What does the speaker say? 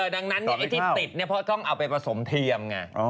ดังนั้นไอที่ติดพอต้องเอาไปผสมเทียม